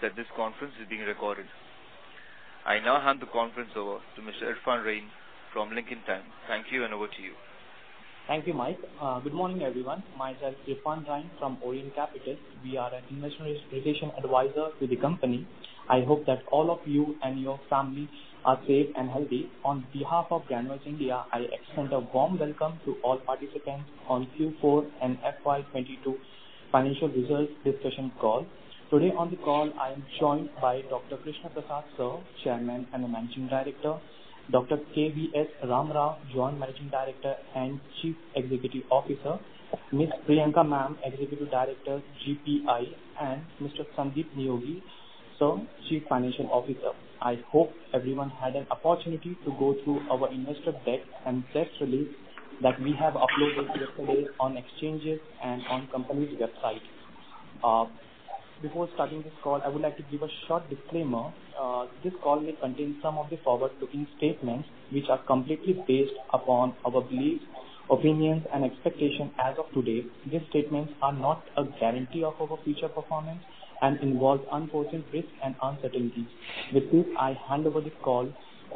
Please note that this conference is being recorded. I now hand the conference over to Mr. Irfan Rahim from Orient Capital. Thank you, and over to you. Thank you, Mike. Good morning, everyone. Myself Irfan Rahim from Orient Capital. We are an investor relations advisor to the company. I hope that all of you and your family are safe and healthy. On behalf of Granules India, I extend a warm welcome to all participants on Q4 and FY 2022 financial results discussion call. Today on the call, I am joined by Dr. Krishna Prasad Chigurupati, sir, Chairman and Managing Director, Dr. K.V.S. Ram Rao, Joint Managing Director and Chief Executive Officer, Ms. Priyanka Ma'am, Executive Director, GPI, and Mr. Sandip Neogi, sir, Chief Financial Officer. I hope everyone had an opportunity to go through our investor deck and press release that we have uploaded yesterday on exchanges and on company's website. Before starting this call, I would like to give a short disclaimer. This call may contain some of the forward-looking statements which are completely based upon our beliefs, opinions, and expectations as of today. These statements are not a guarantee of our future performance and involve unforeseen risks and uncertainties. With this, I hand over the call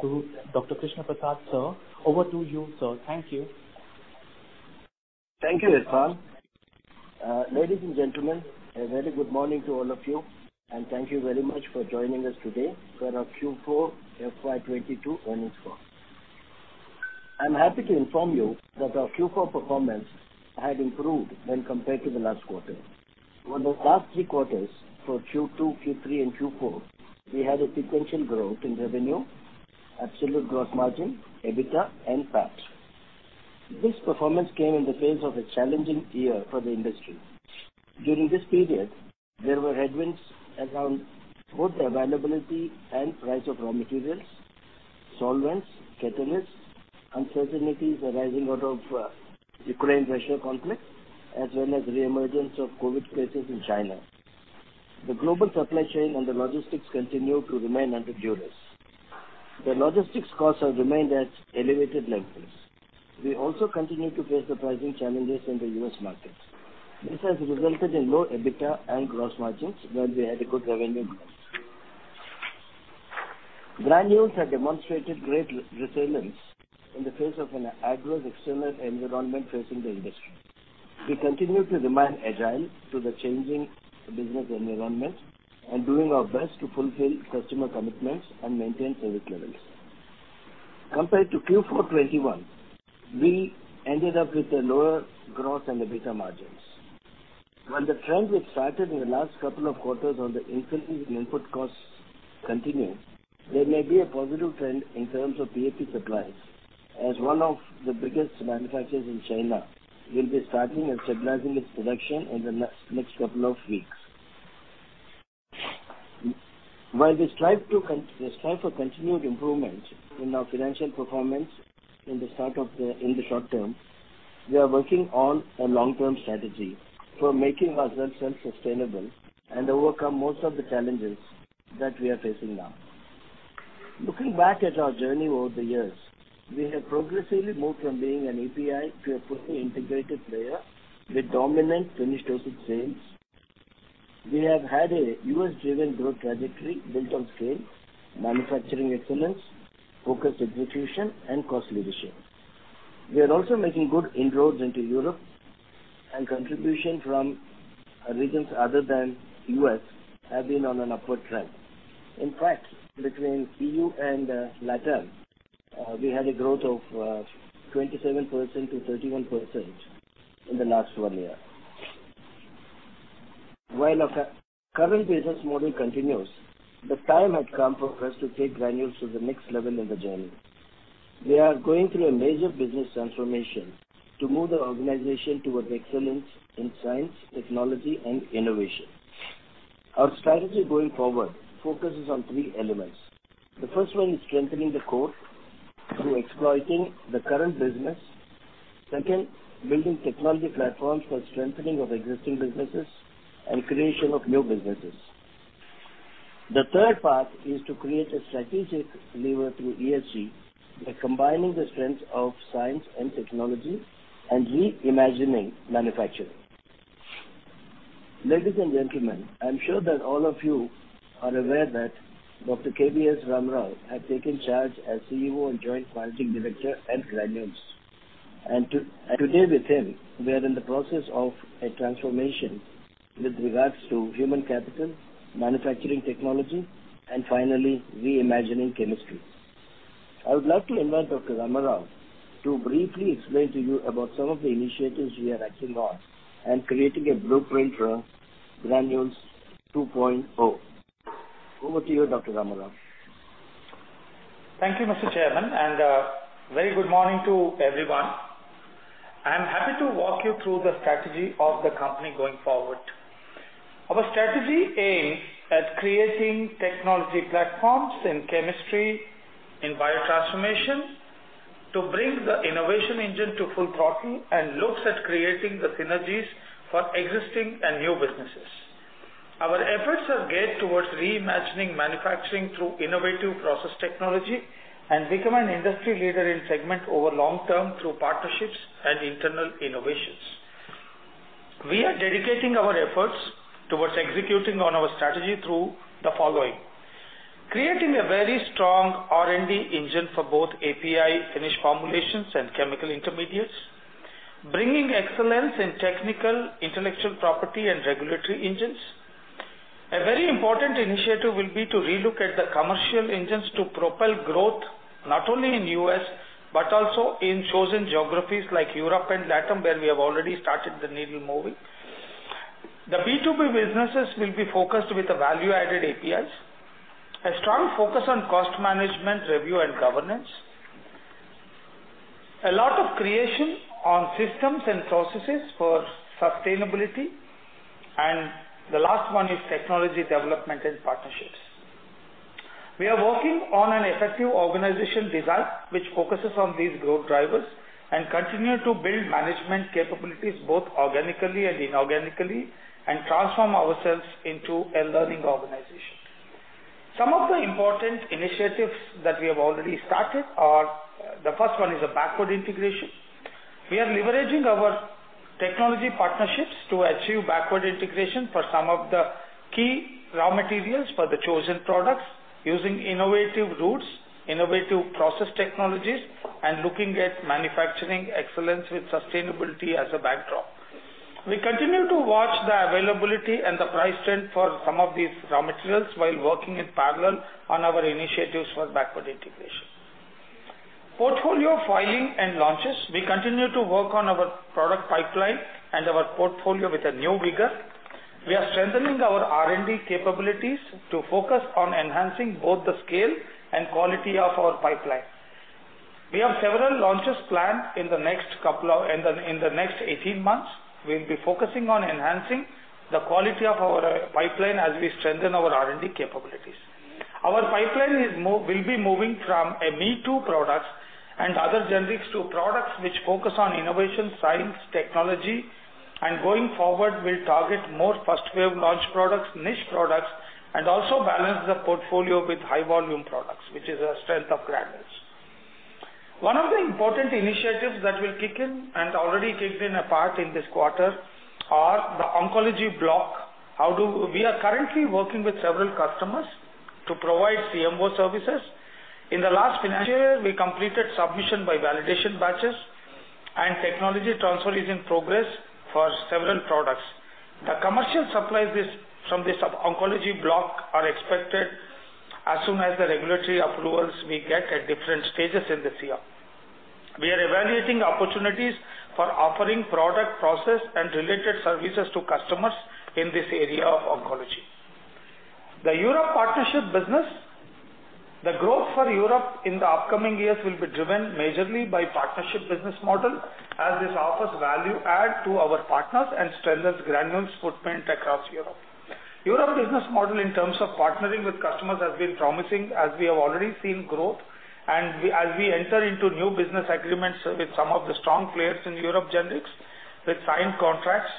to Dr. Krishna Prasad, sir. Over to you, sir. Thank you. Thank you, Irfan. Ladies and gentlemen, a very good morning to all of you, and thank you very much for joining us today for our Q4 FY 2022 earnings call. I'm happy to inform you that our Q4 performance had improved when compared to the last quarter. Over the last three quarters, for Q2, Q3, and Q4, we had a sequential growth in revenue, absolute gross margin, EBITDA and PAT. This performance came in the face of a challenging year for the industry. During this period, there were headwinds around both the availability and price of raw materials, solvents, catalysts, uncertainties arising out of, Ukraine-Russia conflict, as well as reemergence of COVID cases in China. The global supply chain and the logistics continue to remain under duress. The logistics costs have remained at elevated levels. We also continue to face the pricing challenges in the U.S. market. This has resulted in low EBITDA and gross margins where we had a good revenue mix. Granules have demonstrated great resilience in the face of an adverse external environment facing the industry. We continue to remain agile to the changing business environment and doing our best to fulfill customer commitments and maintain service levels. Compared to Q4 2021, we ended up with a lower gross and EBITDA margins. When the trend which started in the last couple of quarters on the increase in input costs continue, there may be a positive trend in terms of PAP supplies. As one of the biggest manufacturers in China, we'll be starting and stabilizing this production in the next couple of weeks. We strive for continued improvement in our financial performance in the start of the. In the short term, we are working on a long-term strategy for making ourselves sustainable and overcome most of the challenges that we are facing now. Looking back at our journey over the years, we have progressively moved from being an API to a fully integrated player with dominant finished dosage sales. We have had a U.S.-driven growth trajectory built on scale, manufacturing excellence, focused execution and cost leadership. We are also making good inroads into Europe and contribution from regions other than U.S. have been on an upward trend. In fact, between EU and LATAM, we had a growth of 27%-31% in the last one year. While our current business model continues, the time has come for us to take Granules to the next level in the journey. We are going through a major business transformation to move the organization towards excellence in science, technology, and innovation. Our strategy going forward focuses on three elements. The first one is strengthening the core through exploiting the current business. Second, building technology platforms for strengthening of existing businesses and creation of new businesses. The third part is to create a strategic lever through ESG by combining the strengths of science and technology and reimagining manufacturing. Ladies and gentlemen, I'm sure that all of you are aware that Dr. K.V.S. Ram Rao had taken charge as CEO and Joint Managing Director at Granules. Today with him, we are in the process of a transformation with regards to human capital, manufacturing technology, and finally reimagining chemistry. I would like to invite Dr. Ram Rao to briefly explain to you about some of the initiatives we are acting on and creating a blueprint for Granules 2.0. Over to you, Dr. Ram Rao. Thank you, Mr. Chairman, and very good morning to everyone. I am happy to walk you through the strategy of the company going forward. Our strategy aims at creating technology platforms in chemistry, in biotransformation, to bring the innovation engine to full throttle and looks at creating the synergies for existing and new businesses. Our efforts are geared towards reimagining manufacturing through innovative process technology and become an industry leader in segment over long term through partnerships and internal innovations. We are dedicating our efforts towards executing on our strategy through the following. Creating a very strong R&D engine for both API finished formulations and chemical intermediates. Bringing excellence in technical intellectual property and regulatory engines. A very important initiative will be to relook at the commercial engines to propel growth not only in U.S., but also in chosen geographies like Europe and LATAM, where we have already started the needle moving. The B2B businesses will be focused with the value-added APIs. A strong focus on cost management, review and governance. A lot of creation on systems and processes for sustainability. The last one is technology development and partnerships. We are working on an effective organization design which focuses on these growth drivers and continue to build management capabilities both organically and inorganically, and transform ourselves into a learning organization. Some of the important initiatives that we have already started are, the first one is a backward integration. We are leveraging our technology partnerships to achieve backward integration for some of the key raw materials for the chosen products using innovative routes, innovative process technologies, and looking at manufacturing excellence with sustainability as a backdrop. We continue to watch the availability and the price trend for some of these raw materials while working in parallel on our initiatives for backward integration. Portfolio filing and launches. We continue to work on our product pipeline and our portfolio with a new vigor. We are strengthening our R&D capabilities to focus on enhancing both the scale and quality of our pipeline. We have several launches planned in the next 18 months. We'll be focusing on enhancing the quality of our pipeline as we strengthen our R&D capabilities. Our pipeline will be moving from me-too products and other generics to products which focus on innovation, science, technology, and going forward, we'll target more first wave launch products, niche products, and also balance the portfolio with high volume products, which is a strength of Granules. One of the important initiatives that will kick in and already kicked in a part in this quarter are the oncology block. We are currently working with several customers to provide CMO services. In the last financial year, we completed submission by validation batches and technology transfer is in progress for several products. The commercial supplies is from this oncology block are expected as soon as the regulatory approvals we get at different stages in this year. We are evaluating opportunities for offering product process and related services to customers in this area of oncology. The Europe partnership business. The growth for Europe in the upcoming years will be driven majorly by partnership business model as this offers value add to our partners and strengthens Granules' footprint across Europe. Europe business model in terms of partnering with customers has been promising as we have already seen growth. As we enter into new business agreements with some of the strong players in Europe generics with signed contracts,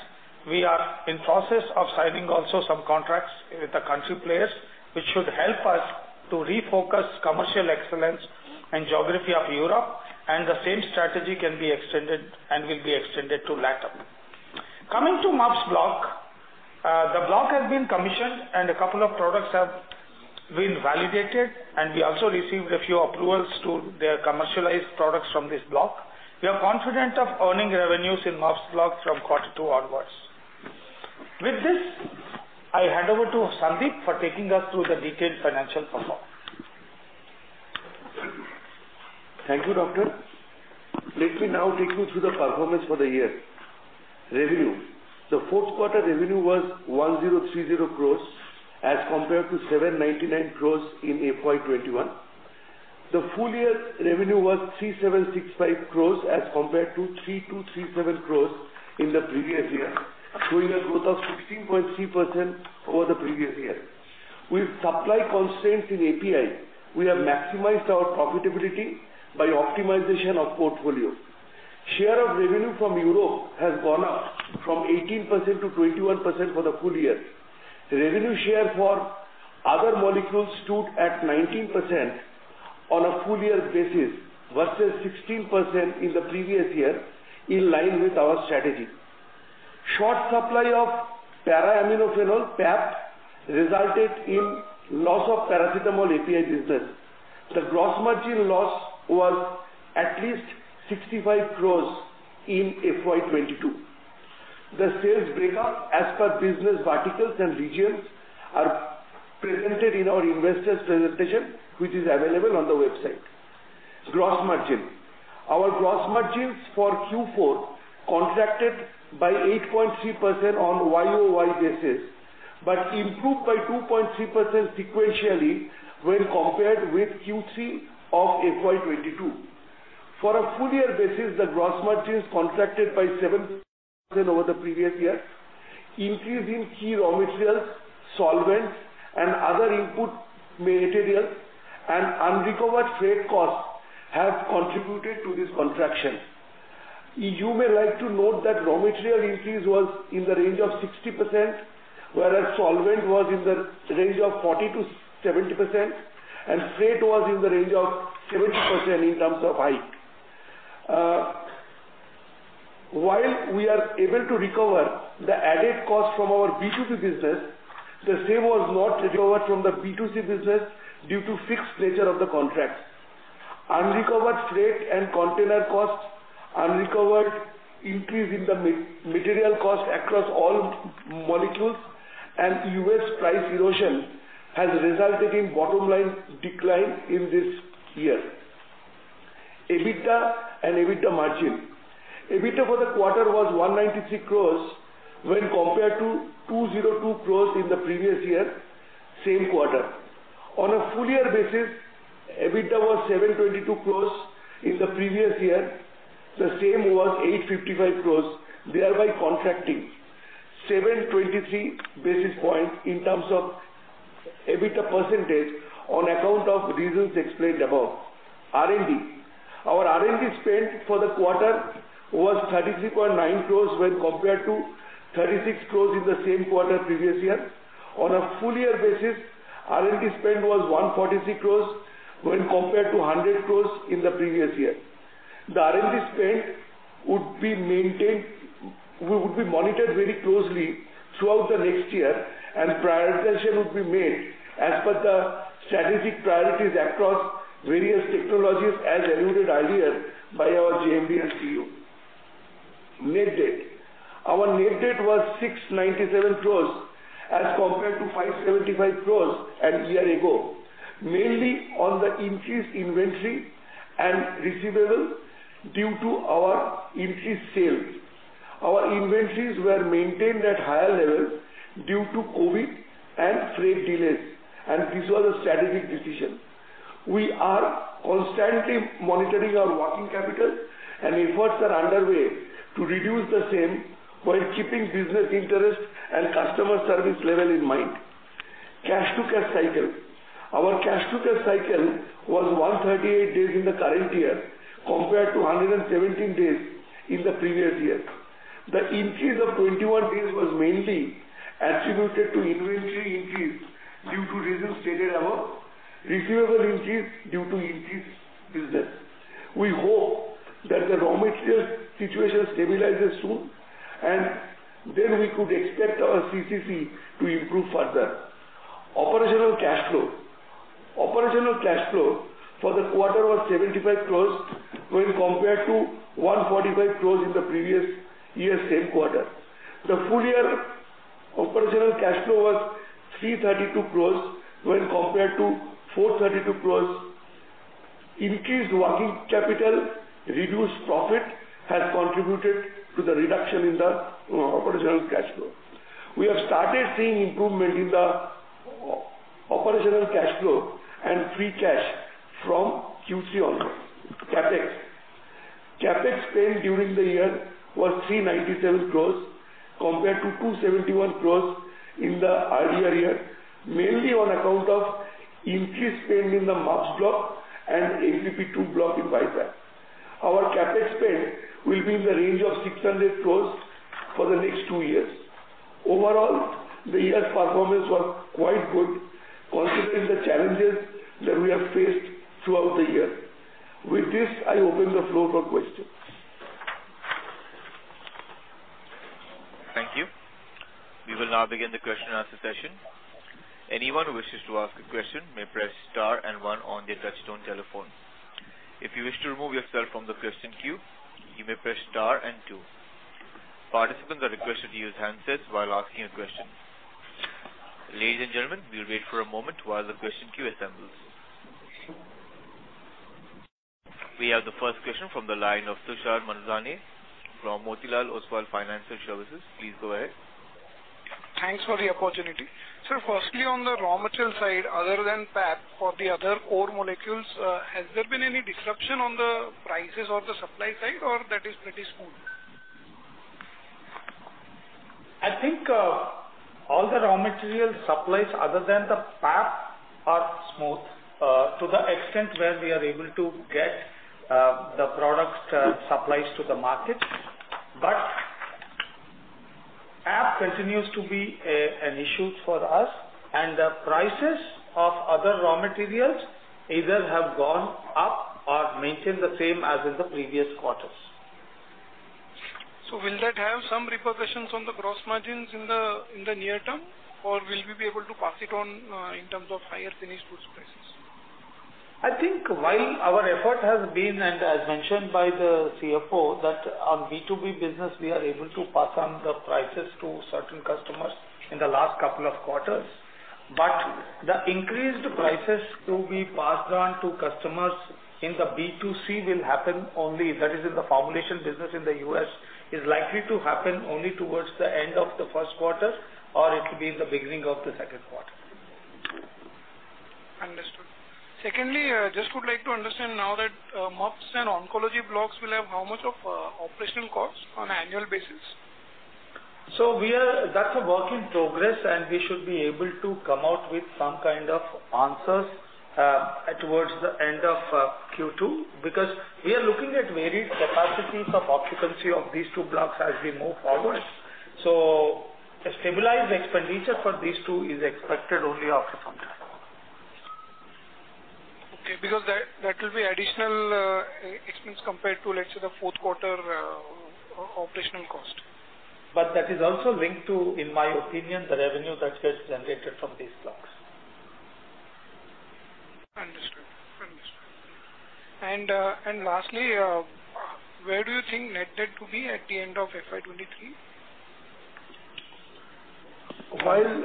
we are in process of signing also some contracts with the country players, which should help us to refocus commercial excellence and geography of Europe, and the same strategy can be extended and will be extended to LATAM. Coming to MUPS block. The block has been commissioned and a couple of products have been validated, and we also received a few approvals to their commercialized products from this block. We are confident of earning revenues in MUPS block from quarter two onwards. With this, I hand over to Sandip for taking us through the detailed financial performance. Thank you, doctor. Let me now take you through the performance for the year. Revenue. The fourth quarter revenue was 1,030 crores as compared to 799 crores in FY 2021. The full year revenue was 3,765 crores as compared to 3,237 crores in the previous year, showing a growth of 16.3% over the previous year. With supply constraints in API, we have maximized our profitability by optimization of portfolio. Share of revenue from Europe has gone up from 18%-21% for the full year. Revenue share for other molecules stood at 19% on a full year basis versus 16% in the previous year in line with our strategy. Short supply of para-aminophenol, PAP, resulted in loss of paracetamol API business. The gross margin loss was at least 65 crores in FY 2022. The sales breakup as per business verticals and regions are presented in our investor's presentation, which is available on the website. Gross margin. Our gross margins for Q4 contracted by 8.3% on YOY basis, but improved by 2.3% sequentially when compared with Q3 of FY 2022. For a full year basis, the gross margins contracted by 7% over the previous year. Increase in key raw materials, solvents, and other input materials and unrecovered freight costs have contributed to this contraction. You may like to note that raw material increase was in the range of 60%, whereas solvent was in the range of 40%-70%. Freight was in the range of 70% in terms of hike. While we are able to recover the added cost from our B2B business, the same was not recovered from the B2C business due to fixed nature of the contracts. Unrecovered freight and container costs, unrecovered increase in the material cost across all molecules and U.S. price erosion has resulted in bottom line decline in this year. EBITDA and EBITDA margin. EBITDA for the quarter was 193 crores when compared to 202 crores in the previous year, same quarter. On a full year basis, EBITDA was 722 crores in the previous year. The same was 855 crores, thereby contracting 723 basis points in terms of EBITDA percentage on account of reasons explained above. R&D. Our R&D spend for the quarter was 33.9 crores when compared to 36 crores in the same quarter previous year. On a full year basis, R&D spend was 143 crores when compared to 100 crores in the previous year. The R&D spend would be maintained, will be monitored very closely throughout the next year, and prioritization would be made as per the strategic priorities across various technologies as alluded earlier by our JMD and CEO. Net debt. Our net debt was 697 crores as compared to 575 crores a year ago, mainly on the increased inventory and receivables due to our increased sales. Our inventories were maintained at higher levels due to COVID and freight delays, and this was a strategic decision. We are constantly monitoring our working capital and efforts are underway to reduce the same while keeping business interest and customer service level in mind. Cash-to-cash cycle. Our cash to cash cycle was 138 days in the current year compared to 117 days in the previous year. The increase of 21 days was mainly attributed to inventory increase due to reasons stated above, receivable increase due to increased business. We hope that the raw material situation stabilizes soon, and then we could expect our CCC to improve further. Operational cash flow. Operational cash flow for the quarter was 75 crores when compared to 145 crores in the previous year's same quarter. The full year operational cash flow was 332 crores when compared to 432 crores. Increased working capital, reduced profit has contributed to the reduction in the operational cash flow. We have started seeing improvement in the operational cash flow and free cash from Q3 onwards. CapEx. CapEx spend during the year was 397 crores compared to 271 crores in the earlier year, mainly on account of increased spend in the MUPS block and AVP2 block in Vizag. Our CapEx spend will be in the range of 600 crores for the next two years. Overall, the year's performance was quite good considering the challenges that we have faced throughout the year. With this, I open the floor for questions. Thank you. We will now begin the question and answer session. Anyone who wishes to ask a question may press star and one on their touch-tone telephone. If you wish to remove yourself from the question queue, you may press star and two. Participants are requested to use handsets while asking a question. Ladies and gentlemen, we'll wait for a moment while the question queue assembles. We have the first question from the line of Tushar Manudhane from Motilal Oswal Financial Services. Please go ahead. Thanks for the opportunity. Sir, firstly, on the raw material side, other than PAP, for the other core molecules, has there been any disruption on the prices or the supply side, or that is pretty smooth? I think, all the raw material supplies other than the PAP are smooth, to the extent where we are able to get the product supplies to the market. PAP continues to be an issue for us and the prices of other raw materials either have gone up or maintained the same as in the previous quarters. Will that have some repercussions on the gross margins in the near term, or will we be able to pass it on in terms of higher finished goods prices? I think while our effort has been, and as mentioned by the CFO, that our B2B business we are able to pass on the prices to certain customers in the last couple of quarters. The increased prices to be passed on to customers in the B2C will happen only, that is in the formulation business in the U.S., is likely to happen only towards the end of the Q1, or it will be in the beginning of the Q1. Understood. Secondly, just would like to understand now that, MUPs and oncology blocks will have how much of, operational costs on an annual basis? That's a work in progress, and we should be able to come out with some kind of answers towards the end of Q2 because we are looking at varied capacities of occupancy of these two blocks as we move forward. A stabilized expenditure for these two is expected only after some time. Okay, because that will be additional expense compared to, let's say, the Q4 operational cost. that is also linked to, in my opinion, the revenue that gets generated from these blocks. Understood. Lastly, where do you think net debt could be at the end of FY 2023? While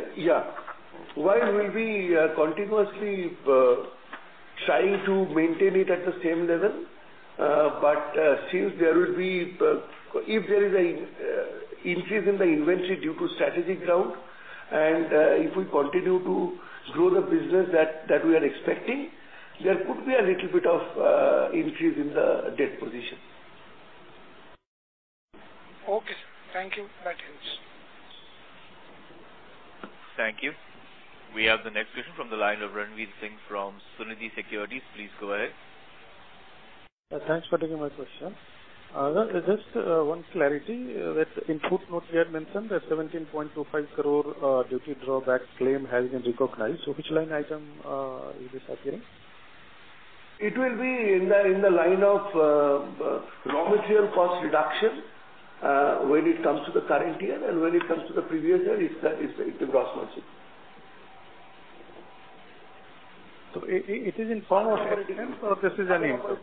we'll be continuously trying to maintain it at the same level, but since there will be, if there is an increase in the inventory due to strategic grounds and if we continue to grow the business that we are expecting, there could be a little bit of increase in the debt position. Okay, sir. Thank you. That helps. Thank you. We have the next question from the line of Ranvir Singh from Sunidhi Securities. Please go ahead. Thanks for taking my question. Just one clarity. Within footnote we had mentioned that 17.25 crore duty drawback claim has been recognized. Which line item is this appearing? It will be in the line of raw material cost reduction, when it comes to the current year and when it comes to the previous year, it's the gross margin. It is in form of or this is an input?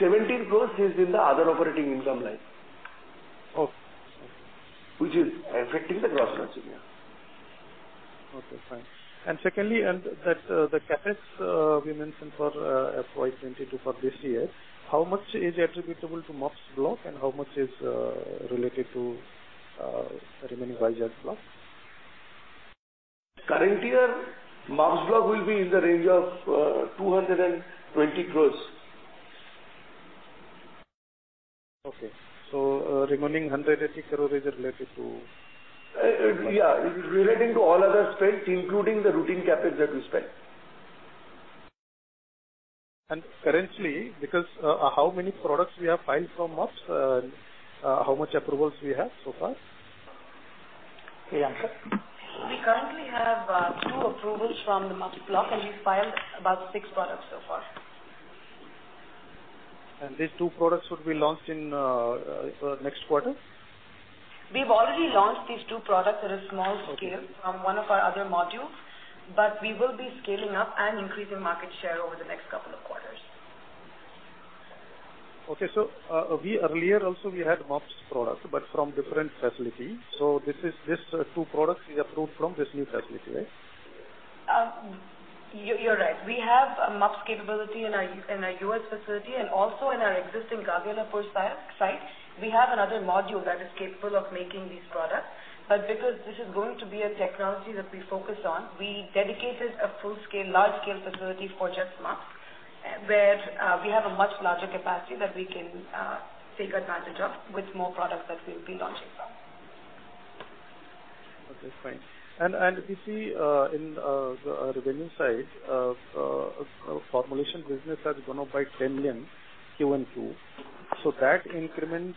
17 crore is in the other operating income line. Okay. Which is affecting the gross margin. Yeah. Okay, fine. Secondly, the CapEx we mentioned for FY 2022 for this year, how much is attributable to mobs block and how much is related to the remaining Vizag block? Current year CapEx will be in the range of 220 crores. Remaining 180 crore is related to It is relating to all other spend, including the routine CapEx that we spend. Currently, because, how many products we have filed from Vizag, how much approvals we have so far? Priyanka. We currently have 2 approvals from the Mobs block, and we've filed about 6 products so far. These two products would be launched in next quarter? We've already launched these two products at a small scale. Okay. from one of our other modules, we will be scaling up and increasing market share over the next couple of quarters. We earlier also had MUPS product, but from different facilities. This is two products we approved from this new facility, right? You're right. We have a MUPS capability in our U.S. facility and also in our existing Gagillapur site. We have another module that is capable of making these products. Because this is going to be a technology that we focus on, we dedicated a full scale, large scale facility for just MUPS, where we have a much larger capacity that we can take advantage of with more products that we'll be launching from. Okay, fine. We see on the revenue side, formulation business has grown by INR 10 million in Q2. That increment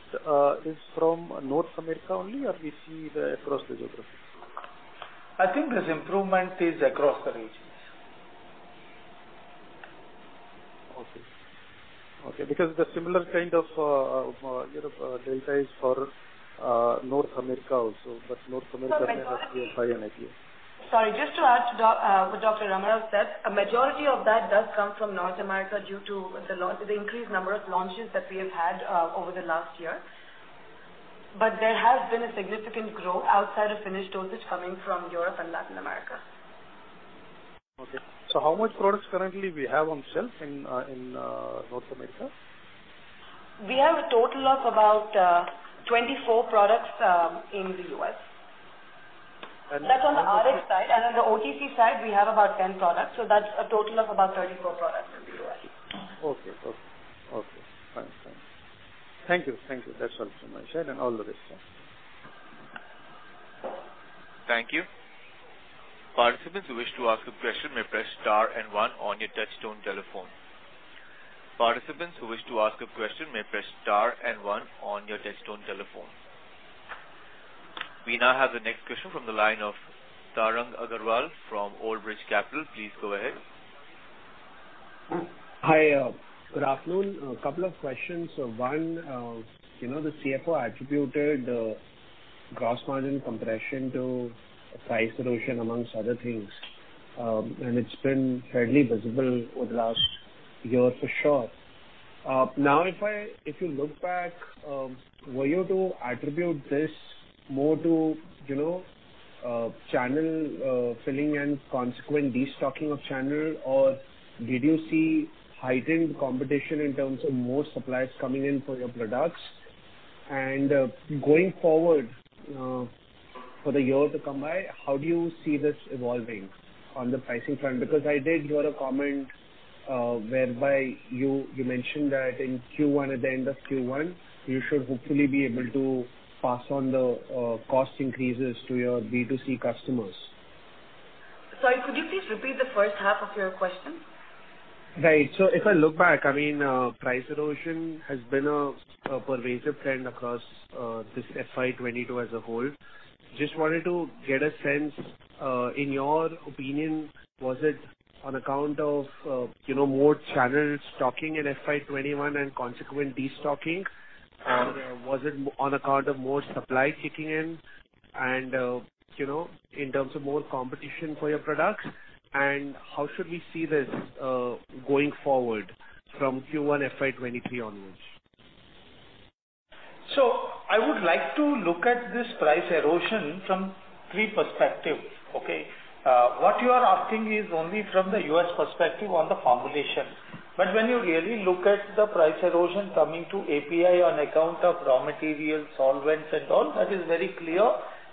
is from North America only or we see across the geographies? I think this improvement is across the regions. Okay, because the similar kind of Europe delta is for North America also, but North America Sorry, just to add to what Dr. Ramarao said, a majority of that does come from North America due to the increased number of launches that we have had over the last year. There has been a significant growth outside of finished dosage coming from Europe and Latin America. Okay. How much products currently we have on shelf in North America? We have a total of about 24 products in the U.S. And That's on the RX side. On the OTC side, we have about 10 products. That's a total of about 34 products in the U.S.. Okay. Fine. Thank you. That's all from my side. All the best. Thank you. Participants who wish to ask a question may press star and one on your touchtone telephone. We now have the next question from the line of Tarang Agrawal from Old Bridge Capital. Please go ahead. Hi, good afternoon. A couple of questions. One, you know, the CFO attributed gross margin compression to price erosion amongst other things. It's been fairly visible over the last year for sure. Now if you look back, were you to attribute this more to, you know, channel filling and consequent destocking of channel or did you see heightened competition in terms of more suppliers coming in for your products? Going forward, for the year to come by, how do you see this evolving on the pricing front? Because I did hear a comment whereby you mentioned that in Q1, at the end of Q1, you should hopefully be able to pass on the cost increases to your B2C customers. Sorry, could you please repeat the first half of your question? Right. If I look back, I mean, price erosion has been a pervasive trend across this FY 2022 as a whole. Just wanted to get a sense in your opinion, was it on account of you know, more channel stocking in FY 2021 and consequent destocking? Was it on account of more supply kicking in and you know, in terms of more competition for your products? How should we see this going forward from Q1 FY 2023 onwards? I would like to look at this price erosion from three perspective, okay? What you are asking is only from the U.S. perspective on the formulation. But when you really look at the price erosion coming to API on account of raw material solvents and all, that is very clear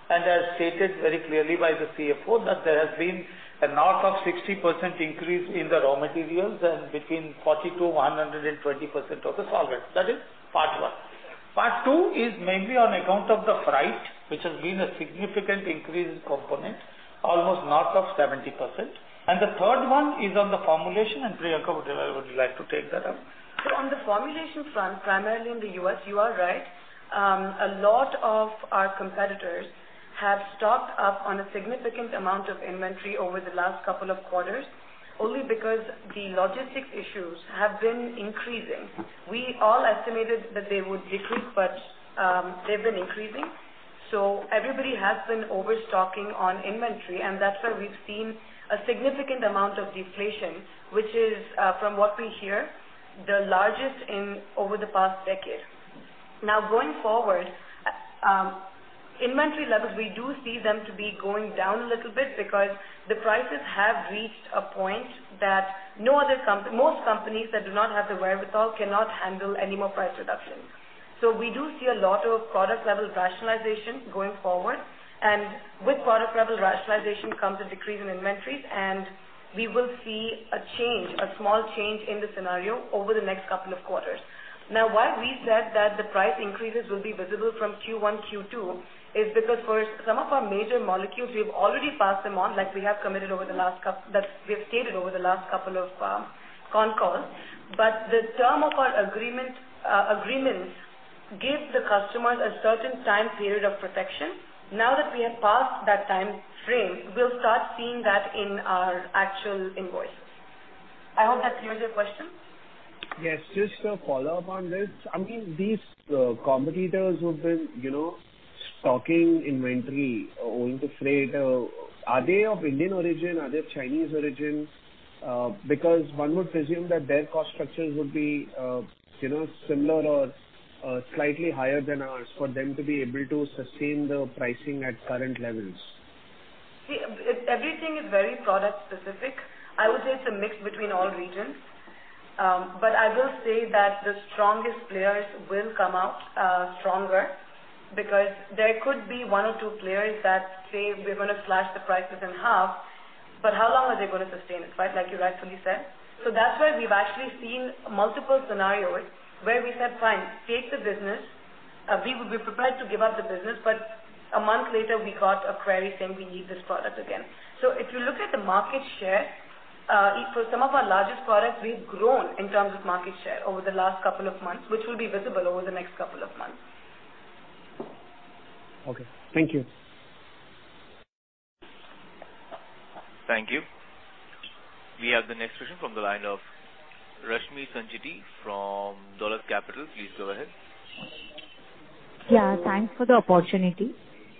and as stated very clearly by the CFO, that there has been a north of 60% increase in the raw materials and between 40%-120% of the solvent. That is part one. Part two is mainly on account of the freight, which has been a significant increase in component, almost north of 70%. The third one is on the formulation, and Priyanka, would you like to take that up? On the formulation front, primarily in the U.S., you are right. A lot of our competitors have stocked up on a significant amount of inventory over the last couple of quarters, only because the logistics issues have been increasing. We all estimated that they would decrease, but they've been increasing. Everybody has been overstocking on inventory, and that's why we've seen a significant amount of deflation, which is, from what we hear, the largest in over the past decade. Now going forward, inventory levels, we do see them to be going down a little bit because the prices have reached a point that most companies that do not have the wherewithal cannot handle any more price reductions. We do see a lot of product-level rationalization going forward. With product-level rationalization comes a decrease in inventories, and we will see a change, a small change in the scenario over the next couple of quarters. Now, why we said that the price increases will be visible from Q1, Q2 is because for some of our major molecules, we've already passed them on, like we have stated over the last couple of con calls. The term of our agreements gave the customers a certain time period of protection. Now that we have passed that time frame, we'll start seeing that in our actual invoices. I hope that clears your question. Yes. Just a follow-up on this. I mean, these competitors who've been, you know, stocking inventory owing to freight, are they of Indian origin? Are they of Chinese origin? Because one would presume that their cost structures would be, you know, similar or slightly higher than ours for them to be able to sustain the pricing at current levels. See, everything is very product-specific. I would say it's a mix between all regions. I will say that the strongest players will come out stronger because there could be one or two players that say, "We're gonna slash the prices in half," but how long are they gonna sustain it, right? Like you rightfully said. That's why we've actually seen multiple scenarios where we said, "Fine, take the business." We would be prepared to give up the business, but a month later we got a query saying, "We need this product again." If you look at the market share for some of our largest products, we've grown in terms of market share over the last couple of months, which will be visible over the next couple of months. Okay. Thank you. Thank you. We have the next question from the line of Rashmi Sancheti from Dolat Capital. Please go ahead. Yeah, thanks for the opportunity.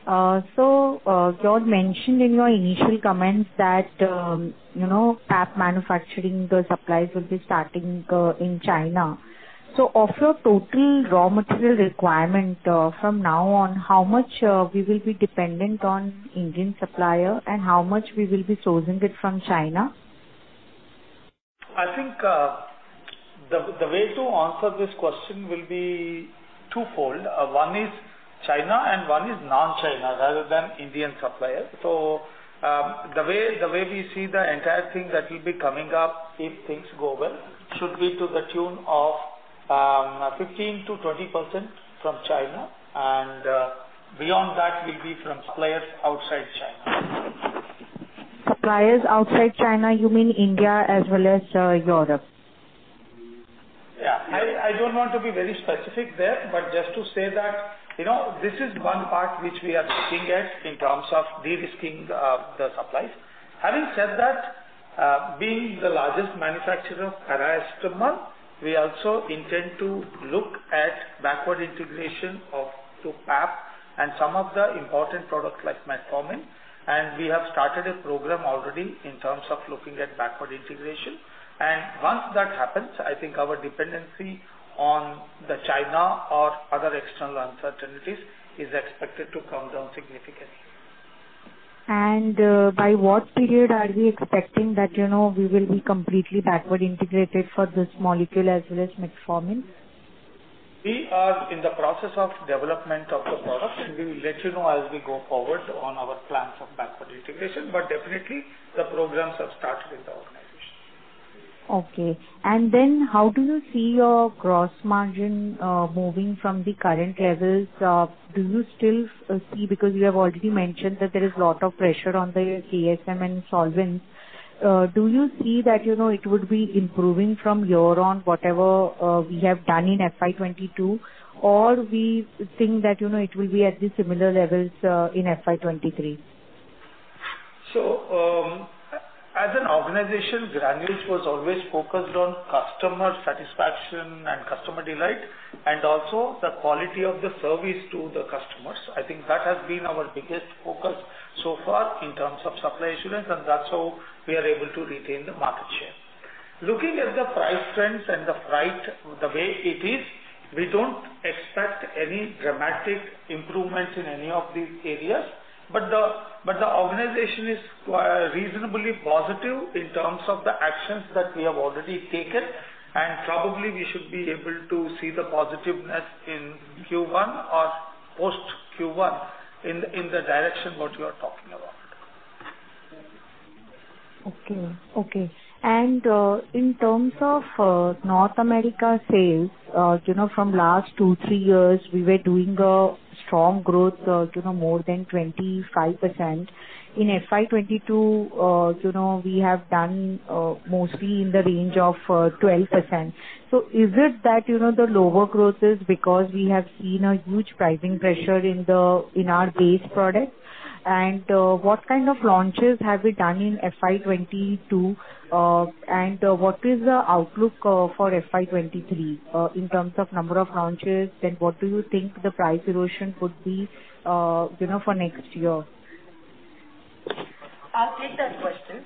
George mentioned in your initial comments that, you know, PAP manufacturing, the supplies will be starting in China. Of your total raw material requirement, from now on, how much we will be dependent on Indian supplier and how much we will be sourcing it from China? I think, the way to answer this question will be twofold. One is China and one is non-China rather than Indian supplier. The way we see the entire thing that will be coming up, if things go well, should be to the tune of 15%-20% from China, and beyond that will be from suppliers outside China. Suppliers outside China, you mean India as well as, Europe? Yeah. I don't want to be very specific there, but just to say that, you know, this is one part which we are looking at in terms of de-risking the supplies. Having said that, being the largest manufacturer of Paracetamol, we also intend to look at backward integration into PAP and some of the important products like Metformin. We have started a program already in terms of looking at backward integration. Once that happens, I think our dependency on China or other external uncertainties is expected to come down significantly. By what period are we expecting that, you know, we will be completely backward integrated for this molecule as well as Metformin? We are in the process of development of the product. We will let you know as we go forward on our plans of backward integration. Definitely the programs have started with the organization. Okay. Then how do you see your gross margin moving from the current levels? Do you still see? Because you have already mentioned that there is a lot of pressure on the KSM and solvents. Do you see that, you know, it would be improving from here on, whatever we have done in FY 2022, or we think that, you know, it will be at the similar levels in FY 2023? As an organization, Granules was always focused on customer satisfaction and customer delight, and also the quality of the service to the customers. I think that has been our biggest focus so far in terms of supply assurance, and that's how we are able to retain the market share. Looking at the price trends and the freight, the way it is, we don't expect any dramatic improvements in any of these areas, but the organization is reasonably positive in terms of the actions that we have already taken, and probably we should be able to see the positiveness in Q1 or post Q1 in the direction what you are talking about. Okay. In terms of North America sales, you know, from last 2-3 years, we were doing a strong growth, you know, more than 25%. In FY 2022, you know, we have done mostly in the range of 12%. Is it that, you know, the lower growth is because we have seen a huge pricing pressure in our base products? What kind of launches have we done in FY 2022? What is the outlook for FY 2023 in terms of number of launches? What do you think the price erosion would be, you know, for next year? I'll take that question.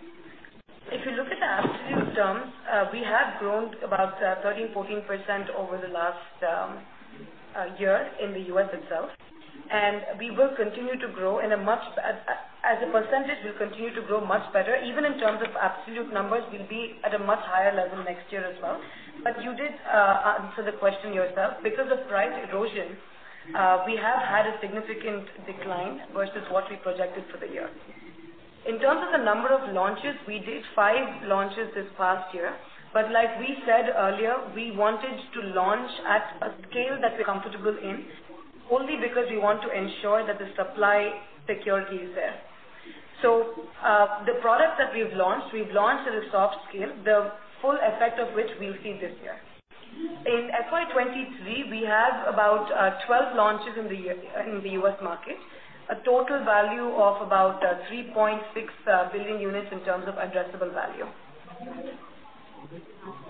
If you look at the absolute terms, we have grown about 13%-14% over the last year in the U.S. itself, and we will continue to grow. As a percentage, we'll continue to grow much better. Even in terms of absolute numbers, we'll be at a much higher level next year as well. You did answer the question yourself. Because of price erosion, we have had a significant decline versus what we projected for the year. In terms of the number of launches, we did five launches this past year. Like we said earlier, we wanted to launch at a scale that we're comfortable in, only because we want to ensure that the supply security is there. The products that we've launched, we've launched at a soft scale, the full effect of which we'll see this year. In FY23, we have about 12 launches in the year, in the U.S. market, a total value of about 3.6 billion units in terms of addressable value.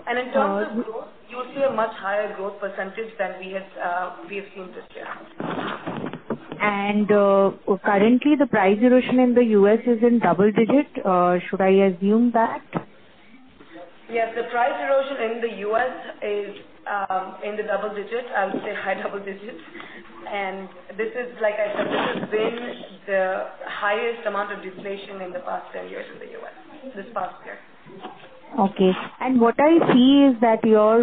In terms of growth, you'll see a much higher growth percentage than we have seen this year. Currently the price erosion in the U.S. is in double-digit, should I assume that? Yes. The price erosion in the U.S. is in the double digits. I would say high double digits. This is like I said, this has been the highest amount of deflation in the past 10 years in the U.S., this past year. Okay. What I see is that your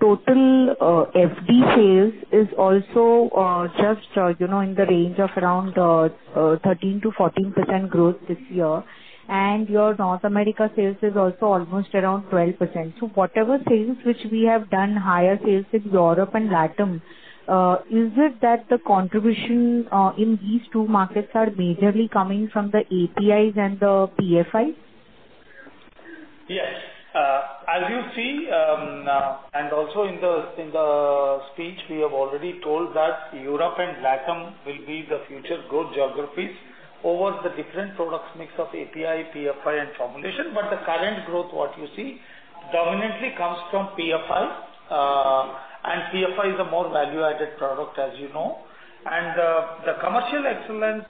total FD sales is also just you know in the range of around 13%-14% growth this year, and your North America sales is also almost around 12%. Whatever sales which we have done higher sales in Europe and LATAM, is it that the contribution in these two markets are majorly coming from the APIs and the PFIs? Yes. As you see, and also in the speech, we have already told that Europe and LATAM will be the future growth geographies over the different products mix of API, PFI, and formulation. The current growth, what you see dominantly comes from PFI, and PFI is a more value-added product, as you know. The commercial excellence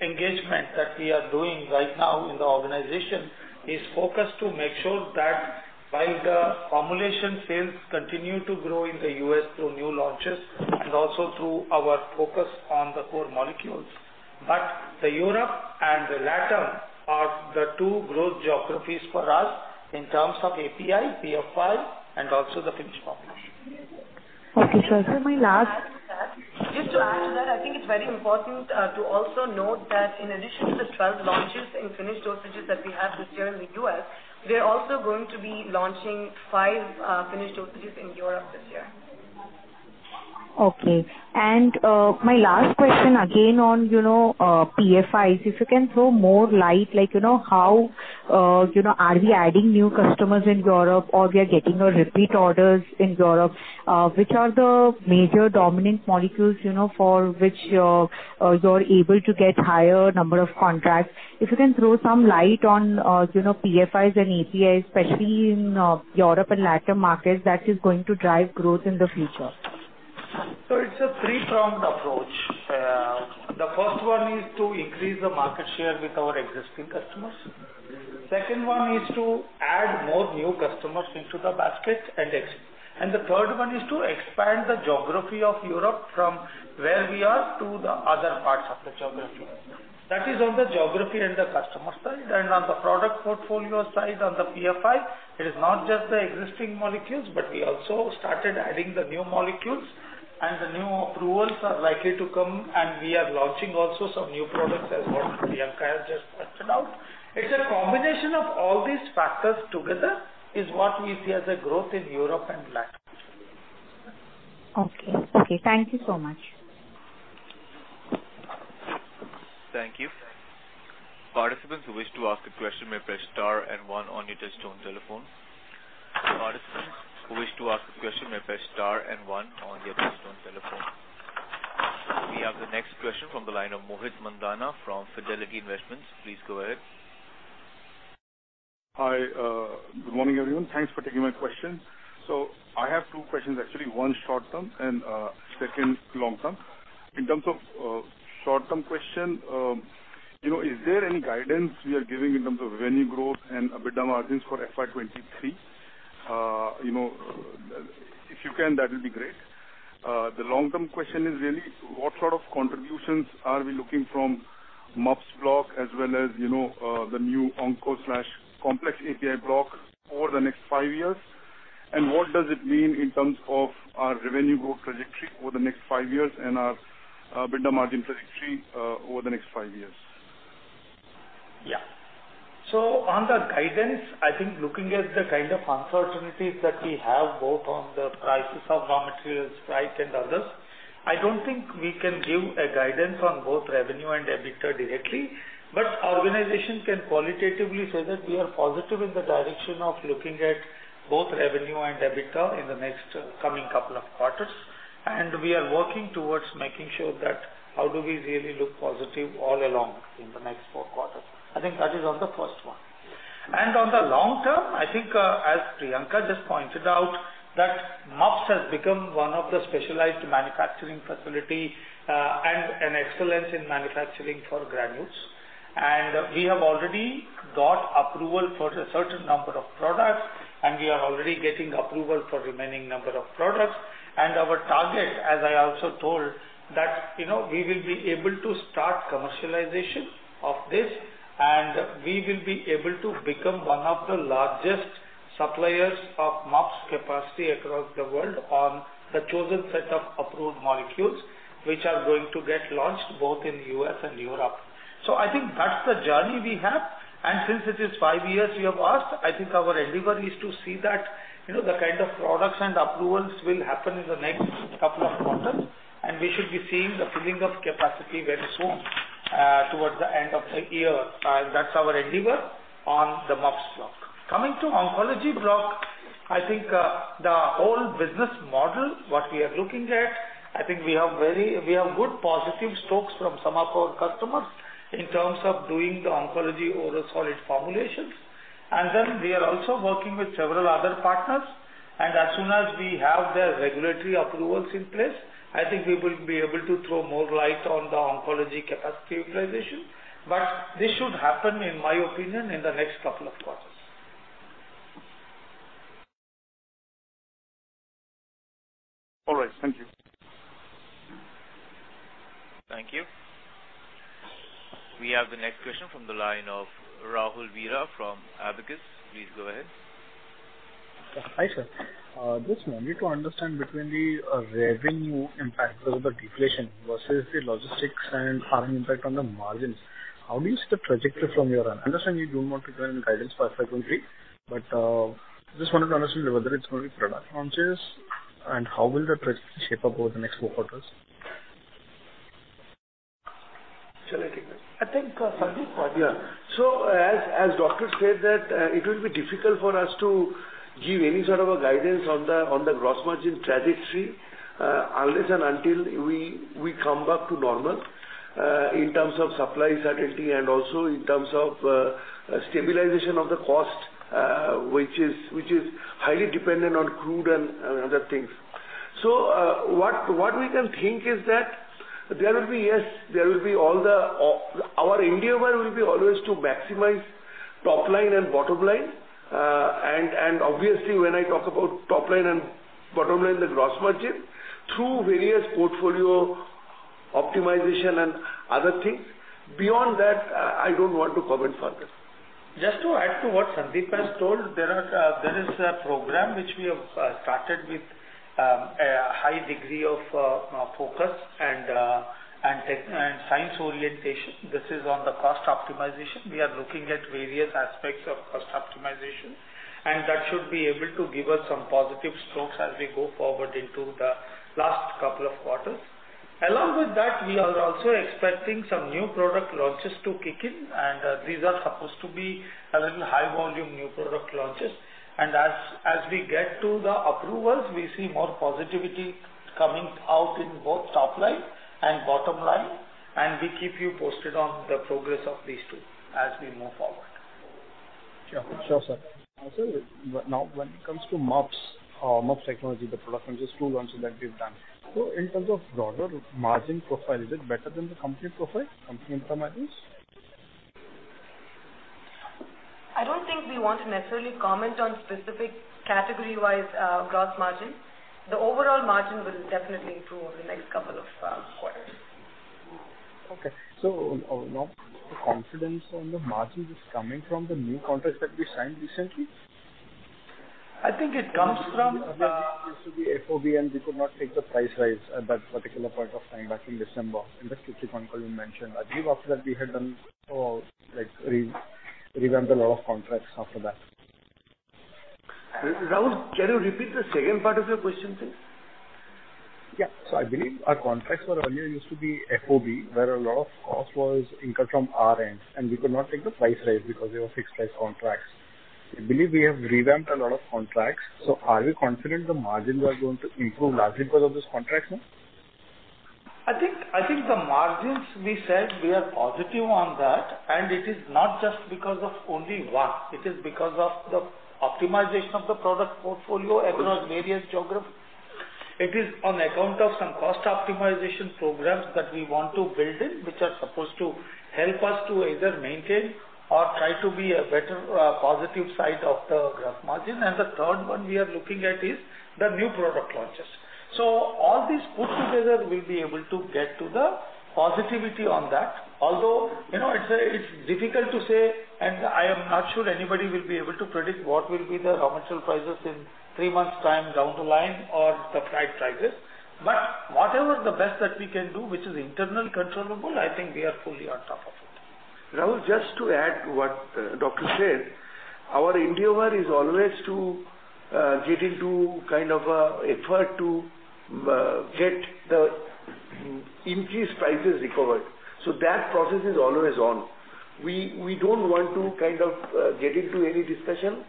engagement that we are doing right now in the organization is focused to make sure that while the formulation sales continue to grow in the U.S. through new launches and also through our focus on the core molecules. The Europe and the LATAM are the two growth geographies for us in terms of API, PFI, and also the finished formulation. Okay. This is my last. Just to add to that, I think it's very important to also note that in addition to the 12 launches in finished dosages that we have this year in the U.S., we're also going to be launching five finished dosages in Europe this year. Okay. My last question again on, you know, PFIs. If you can throw more light, like, you know, how, you know, are we adding new customers in Europe or we are getting repeat orders in Europe? Which are the major dominant molecules, you know, for which, you're able to get higher number of contracts? If you can throw some light on, you know, PFIs and APIs, especially in, Europe and LATAM markets that is going to drive growth in the future. It's a three-pronged approach. The first one is to increase the market share with our existing customers. Second one is to add more new customers into the basket. And the third one is to expand the geography of Europe from where we are to the other parts of the geography. That is on the geography and the customer side. On the product portfolio side, on the PFI, it is not just the existing molecules, but we also started adding the new molecules. And the new approvals are likely to come, and we are launching also some new products, as what Priyanka has just pointed out. It's a combination of all these factors together is what we see as a growth in Europe and Latin. Okay. Thank you so much. Thank you. Participants who wish to ask a question may press star and one on your touchtone telephone. We have the next question from the line of Mohit Mandhana from Fidelity Investments. Please go ahead. Hi. Good morning, everyone. Thanks for taking my question. I have two questions, actually. One short-term and second long-term. In terms of short-term question, you know, is there any guidance we are giving in terms of revenue growth and EBITDA margins for FY 2023? You know, if you can, that would be great. The long-term question is really what sort of contributions are we looking from MUPS block as well as, you know, the new onco/complex API block over the next five years, and what does it mean in terms of our revenue growth trajectory over the next five years and our EBITDA margin trajectory over the next five years? Yeah. On the guidance, I think looking at the kind of uncertainties that we have both on the prices of raw materials, price and others, I don't think we can give a guidance on both revenue and EBITDA directly. Organization can qualitatively say that we are positive in the direction of looking at both revenue and EBITDA in the next coming couple of quarters, and we are working towards making sure that how do we really look positive all along in the next four quarters. I think that is on the first one. On the long term, I think, as Priyanka just pointed out, that MUPS has become one of the specialized manufacturing facility, and an excellence in manufacturing for Granules. We have already got approval for a certain number of products, and we are already getting approval for remaining number of products. Our target, as I also told, that, you know, we will be able to start commercialization of this, and we will be able to become one of the largest suppliers of MUPS capacity across the world on the chosen set of approved molecules, which are going to get launched both in U.S. and Europe. I think that's the journey we have. Since it is five years you have asked, I think our endeavor is to see that, you know, the kind of products and approvals will happen in the next couple of quarters, and we should be seeing the filling of capacity very soon, towards the end of the year. That's our endeavor on the MUPS block. Coming to oncology block, I think, the whole business model, what we are looking at, I think we have very. We have good positive strokes from some of our customers in terms of doing the oncology oral solid formulations. Then we are also working with several other partners, and as soon as we have their regulatory approvals in place, I think we will be able to throw more light on the oncology capacity utilization. This should happen, in my opinion, in the next couple of quarters. All right. Thank you. Thank you. We have the next question from the line of Rahul Veera from Abakkus. Please go ahead. Hi, sir. Just wanted to understand between the revenue impact because of the deflation versus the logistics and foreign impact on the margins. How do you see the trajectory from here on? I understand you don't want to give any guidance for FY 2023, but just wanted to understand whether it's going to be product launches and how will the trajectory shape up over the next four quarters. Shall I take that? I think Sandip can. Yeah. As doctor said that, it will be difficult for us to give any sort of a guidance on the gross margin trajectory, unless and until we come back to normal in terms of supply certainty and also in terms of stabilization of the cost, which is highly dependent on crude and other things. What we can think is that there will be, yes, all the. Our endeavor will be always to maximize top line and bottom line. Obviously, when I talk about top line and bottom line, the gross margin through various portfolio optimization and other things. Beyond that, I don't want to comment further. Just to add to what Sandip has told, there is a program which we have started with a high degree of focus and technology and science orientation. This is on the cost optimization. We are looking at various aspects of cost optimization, and that should be able to give us some positive strokes as we go forward into the last couple of quarters. Along with that, we are also expecting some new product launches to kick in, and these are supposed to be a little high volume new product launches. As we get to the approvals, we see more positivity coming out in both top line and bottom line, and we keep you posted on the progress of these two as we move forward. Sure, sir, now when it comes to MUPS technology, the product launches, two launches that we've done. In terms of broader margin profile, is it better than the company profile, company interim margins? I don't think we want to necessarily comment on specific category-wise gross margin. The overall margin will definitely improve in the next couple of quarters. Okay. Now the confidence on the margin is coming from the new contracts that we signed recently? I think it comes from. Earlier it used to be FOB, and we could not take the price rise at that particular point of time back in December. In the Q3 call, you mentioned, I believe, after that we had done, like, revamped a lot of contracts after that. Rahul, can you repeat the second part of your question please? Yeah. I believe our contracts were earlier used to be FOB, where a lot of cost was incurred from our end, and we could not take the price rise because they were fixed price contracts. I believe we have revamped a lot of contracts. Are we confident the margins are going to improve largely because of this contracts now? I think the margins we said we are positive on that, and it is not just because of only one. It is because of the optimization of the product portfolio across various geography. It is on account of some cost optimization programs that we want to build in, which are supposed to help us to either maintain or try to be a better positive side of the gross margin. The third one we are looking at is the new product launches. All these put together, we'll be able to get to the positivity on that. Although, you know, it's difficult to say, and I am not sure anybody will be able to predict what will be the raw material prices in three months' time down the line or the price rises. Whatever the best that we can do, which is internal controllable, I think we are fully on top of it. Rahul, just to add to what doctor said, our endeavor is always to get the increased prices recovered. That process is always on. We don't want to kind of get into any discussion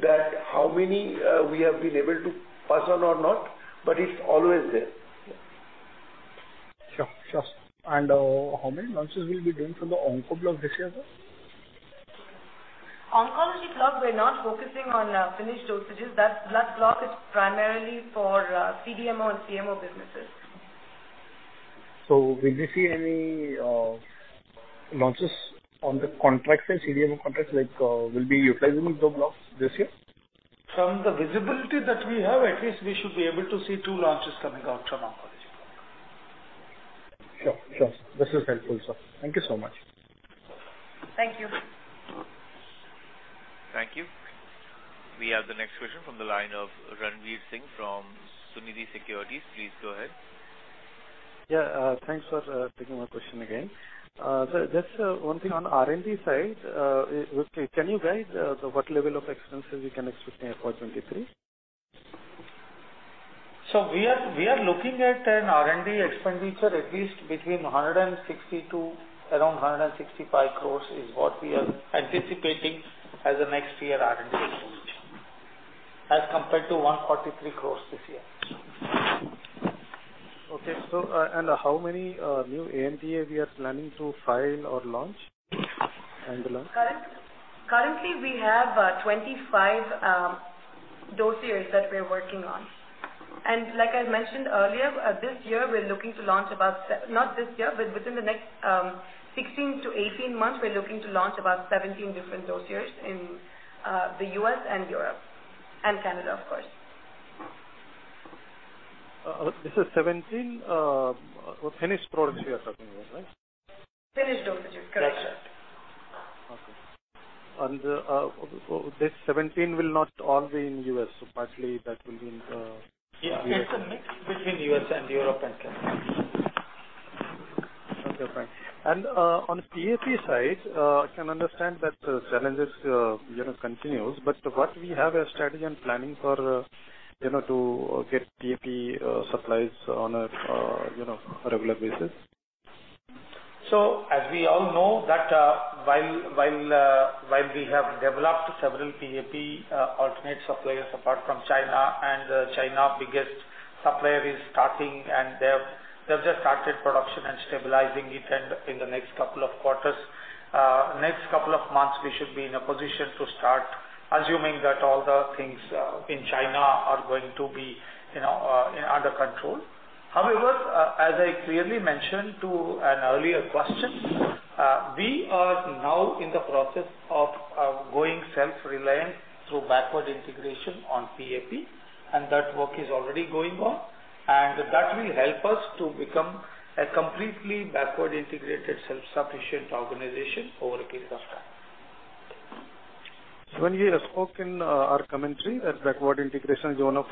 that how many we have been able to pass on or not, but it's always there. Sure. How many launches we'll be doing from the onco block this year, sir? Oncology block, we're not focusing on finished dosages. That block is primarily for CDMO and CMO businesses. Will we see any launches on the contracts, say, CDMO contracts, like, will be utilizing the blocks this year? From the visibility that we have, at least we should be able to see two launches coming out from oncology block. Sure. This is helpful, sir. Thank you so much. Thank you. Thank you. We have the next question from the line of Ranvir Singh from Sunidhi Securities. Please go ahead. Yeah. Thanks for taking my question again. Just one thing on R&D side, quickly, can you guide what level of expenses we can expect in FY 23? We are looking at an R&D expenditure at least between 160 crore to around 165 crore is what we are anticipating as a next year R&D expenditure, as compared to 143 crore this year. How many new ANDA we are planning to file or launch? Currently we have 25 dossiers that we're working on. Like I mentioned earlier, not this year, but within the next 16-18 months, we're looking to launch about 17 different dossiers in the U.S. and Europe, and Canada, of course. This is 17 finished products you are talking about, right? Finished dosage. Correct, sir. Okay. These 17 will not all be in U.S. Partly that will be in Europe. Yeah. It's a mix between U.S. and Europe and Canada. Okay, fine. On PAP side, I can understand that the challenges, you know, continues, but what we have a strategy and planning for, you know, to get PAP supplies on a, you know, regular basis? As we all know that, while we have developed several PAP alternate suppliers apart from China, and China's biggest supplier is starting and they have just started production and stabilizing it, and in the next couple of quarters, next couple of months, we should be in a position to start assuming that all the things in China are going to be, you know, under control. However, as I clearly mentioned to an earlier question, we are now in the process of going self-reliant through backward integration on PAP, and that work is already going on, and that will help us to become a completely backward integrated, self-sufficient organization over a period of time. When we spoke in our commentary that backward integration is one of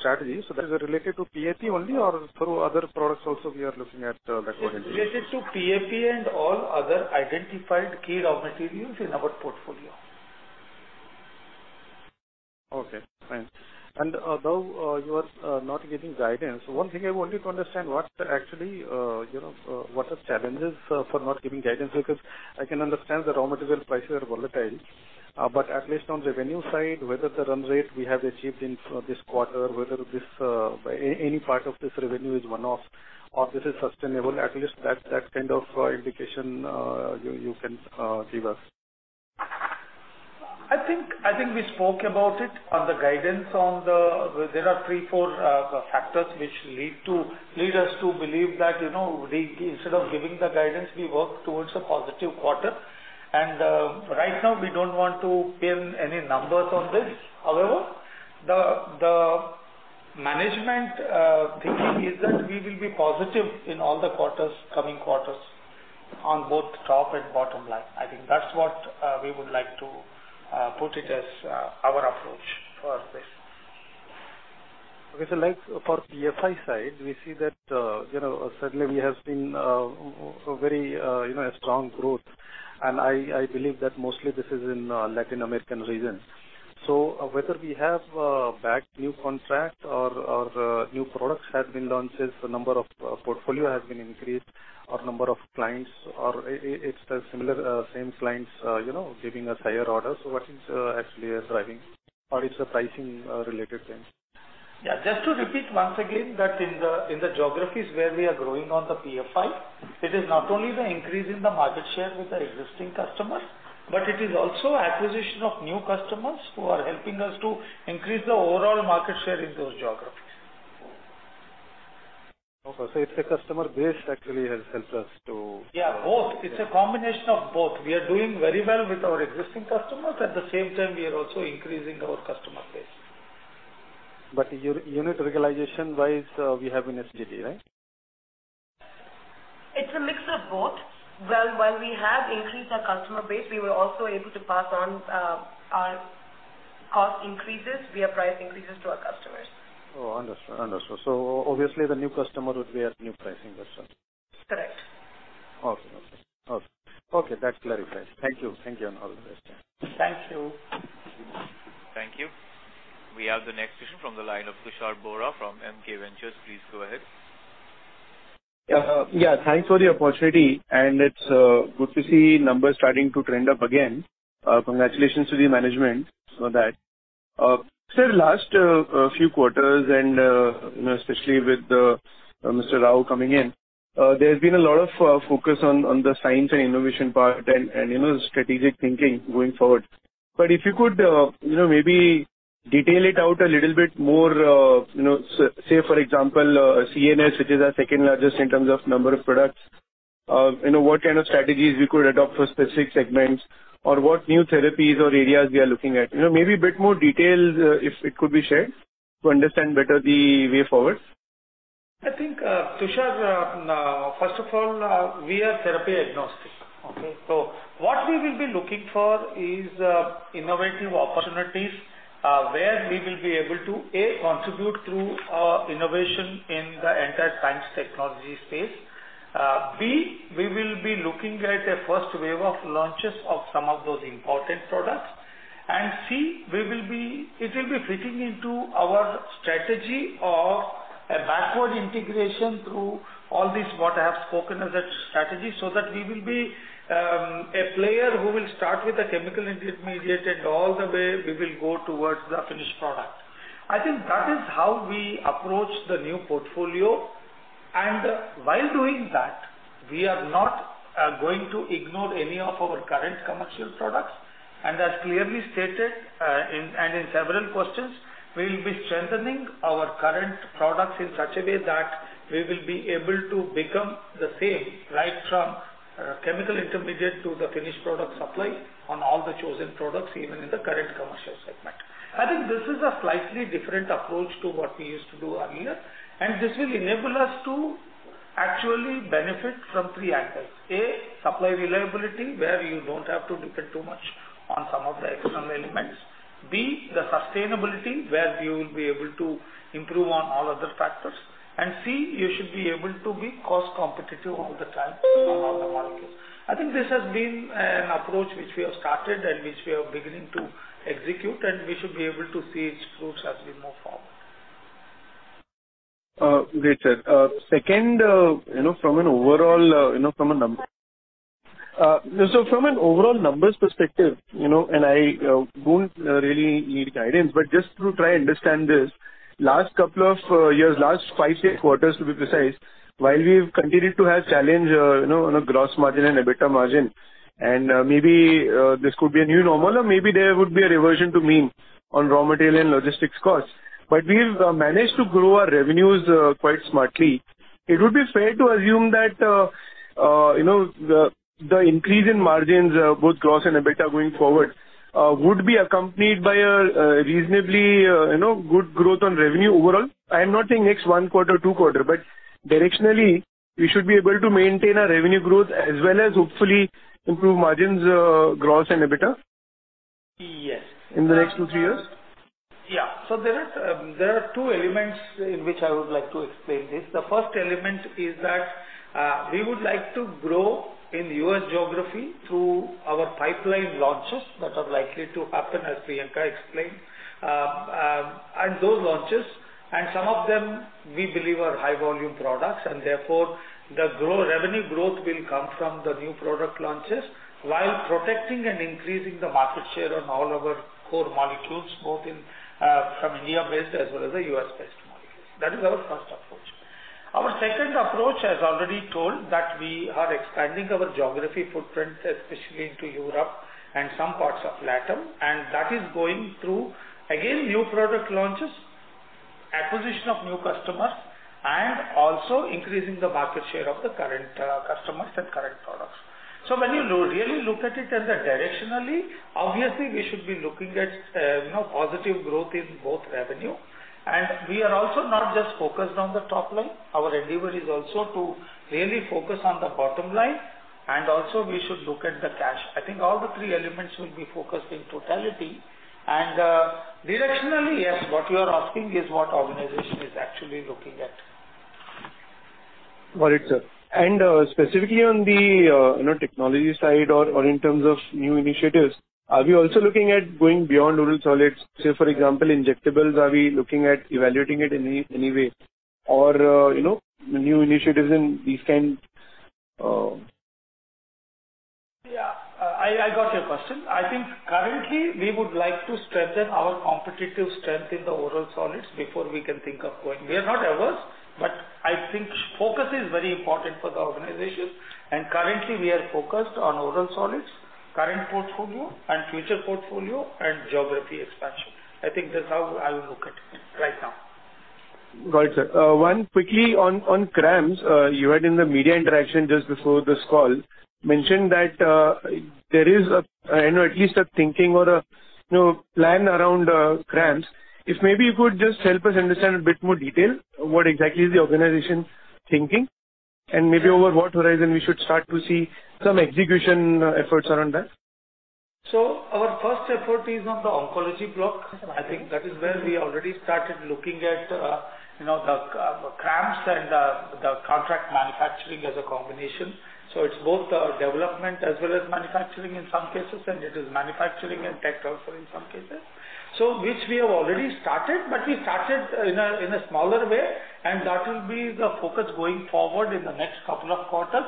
strategies, so that is related to PAP only or through other products also we are looking at backward integration? It's related to PAP and all other identified key raw materials in our portfolio. Okay, fine. Although you are not giving guidance, one thing I wanted to understand what actually you know what are challenges for not giving guidance, because I can understand the raw material prices are volatile, but at least on revenue side, whether the run rate we have achieved in this quarter, whether this any part of this revenue is one-off or this is sustainable, at least that kind of indication you can give us. I think we spoke about it. On the guidance. There are three, four factors which lead us to believe that, you know, we, instead of giving the guidance, we work towards a positive quarter. Right now we don't want to pin any numbers on this. However, the management thinking is that we will be positive in all the quarters, coming quarters, on both top and bottom line. I think that's what we would like to put it as our approach for this. Like for PFI side, we see that, you know, certainly we have seen very, you know, a strong growth, and I believe that mostly this is in Latin American regions. Whether we have bagged new contract or new products have been launched, since the number of portfolio has been increased, or number of clients, or it's the similar same clients, you know, giving us higher orders. What is actually driving, or it's a pricing related thing? Yeah. Just to repeat once again that in the geographies where we are growing on the PFI, it is not only the increase in the market share with the existing customers, but it is also acquisition of new customers who are helping us to increase the overall market share in those geographies. Okay. It's the customer base actually has helped us to. Yeah, both. It's a combination of both. We are doing very well with our existing customers. At the same time, we are also increasing our customer base. Your unit realization wise, we have been steady, right? It's a mix of both. Well, while we have increased our customer base, we were also able to pass on our cost increases via price increases to our customers. Oh, understood. Obviously the new customer would be at new pricing as well. Correct. Okay, that's clarified. Thank you, and all the best. Thank you. Thank you. We have the next question from the line of Tushar Bohra from MK Ventures Capital. Please go ahead. Yeah. Yeah, thanks for the opportunity, and it's good to see numbers starting to trend up again. Congratulations to the management for that. Last few quarters and you know, especially with Mr. Rao coming in, there's been a lot of focus on the science and innovation part and you know, strategic thinking going forward. If you could you know, maybe detail it out a little bit more you know, say for example, CNS, which is our second-largest in terms of number of products you know, what kind of strategies we could adopt for specific segments or what new therapies or areas we are looking at. You know, maybe a bit more details if it could be shared to understand better the way forward. I think, Tushar, first of all, we are therapy agnostic. Okay? What we will be looking for is innovative opportunities where we will be able to, A, contribute through innovation in the entire science technology space. B, we will be looking at a first wave of launches of some of those important products. C, it will be fitting into our strategy of a backward integration through all this, what I have spoken as a strategy, so that we will be a player who will start with a chemical intermediate and all the way we will go towards the finished product. I think that is how we approach the new portfolio. While doing that, we are not going to ignore any of our current commercial products. As clearly stated in several questions, we'll be strengthening our current products in such a way that we will be able to become the same, right from chemical intermediate to the finished product supply on all the chosen products, even in the current commercial segment. I think this is a slightly different approach to what we used to do earlier, and this will enable us to actually benefit from three angles. A, supply reliability, where you don't have to depend too much on some of the external elements. B, the sustainability, where you will be able to improve on all other factors. C, you should be able to be cost competitive all the time on all the molecules. I think this has been an approach which we have started and which we are beginning to execute, and we should be able to see its fruits as we move forward. Great, sir. Second, you know, from an overall numbers perspective, you know, and I don't really need guidance, but just to try and understand this, last couple of years, last five, six quarters, to be precise, while we've continued to have challenge, you know, on a gross margin and EBITDA margin, and maybe this could be a new normal or maybe there would be a reversion to mean on raw material and logistics costs, but we've managed to grow our revenues quite smartly. It would be fair to assume that, you know, the increase in margins, both gross and EBITDA going forward, would be accompanied by a reasonably, you know, good growth on revenue overall. I am not saying next one quarter, two quarter, but directionally we should be able to maintain our revenue growth as well as hopefully improve margins, gross and EBITDA? Yes. In the next two to three years? There are two elements in which I would like to explain this. The first element is that we would like to grow in U.S. geography through our pipeline launches that are likely to happen, as Priyanka explained. Those launches, and some of them we believe are high volume products, and therefore the revenue growth will come from the new product launches while protecting and increasing the market share on all our core molecules, both from India-based as well as the U.S.-based molecules. That is our first approach. Our second approach, as already told, we are expanding our geography footprint, especially into Europe and some parts of LATAM, and that is going through, again, new product launches, acquisition of new customers and also increasing the market share of the current customers and current products. When you really look at it directionally, obviously we should be looking at, you know, positive growth in both revenue. We are also not just focused on the top line. Our endeavor is also to really focus on the bottom line, and also we should look at the cash. I think all the three elements will be focused in totality and, directionally, yes, what you are asking is what organization is actually looking at. Got it, sir. Specifically on the you know technology side or in terms of new initiatives, are we also looking at going beyond oral solids? Say, for example, injectables. Are we looking at evaluating it any way? You know, new initiatives in these kinds. Yeah. I got your question. I think currently we would like to strengthen our competitive strength in the oral solids before we can think of going. We are not averse, but I think focus is very important for the organization, and currently, we are focused on oral solids, current portfolio and future portfolio and geography expansion. I think that's how I will look at it right now. Got it, sir. One quickly on CRAMS. You had in the media interaction just before this call mentioned that, there is a, you know, at least a thinking or a, you know, plan around CRAMS. If maybe you could just help us understand in a bit more detail what exactly is the organization thinking and maybe over what horizon we should start to see some execution, efforts around that? Our first effort is on the oncology block. I think that is where we already started looking at CRAMS and contract manufacturing as a combination. It's both development as well as manufacturing in some cases, and it is manufacturing and tech also in some cases. Which we have already started, but we started in a smaller way, and that will be the focus going forward in the next couple of quarters.